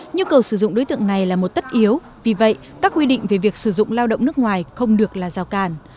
nhu cầu sử dụng đối tượng này là một tất yếu vì vậy các quy định về việc sử dụng lao động nước ngoài không được là rào càn